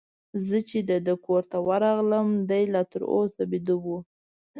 زه چي د ده کور ته ورغلم، دی لا تر اوسه بیده وو.